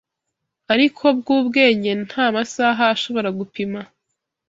ariko bwubwenge ntamasaha ashobora gupima